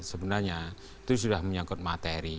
sebenarnya itu sudah menyangkut materi